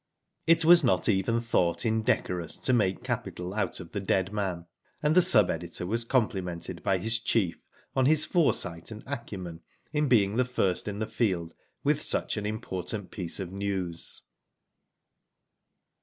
It was not even thought indecorous to make capital out of the dead man, and the Sub Editor was complimented by his chief on his foresight and acumen in being first in the field with such an important piece of news.